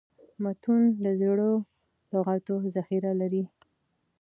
متون د زړو لغاتو ذخیره لري.